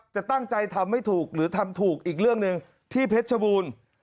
จะตั้งใจทำไม่ถูกหรือทำถูกอีกเรื่องหนึ่งที่เพชรชบูรณ์